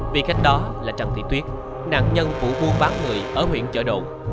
vị khách đó là trần thị tuyết nạn nhân vụ buôn bán người ở huyện chợ đỗ